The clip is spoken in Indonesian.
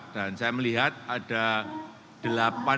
dan saya melihat ada delapan peserta